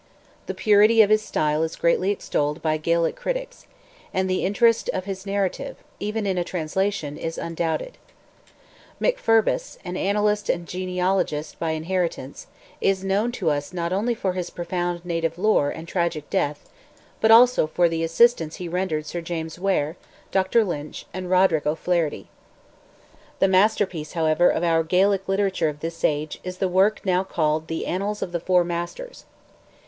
The purity of his style is greatly extolled by Gaelic critics; and the interest of his narrative, even in a translation, is undoubted. McFirbis, an annalist and genealogist by inheritance, is known to us not only for his profound native lore, and tragic death, but also for the assistance he rendered Sir James Ware, Dr. Lynch, and Roderick O'Flaherty. The master piece, however, of our Gaelic literature of this age, is the work now called "The Annals of the Four Masters."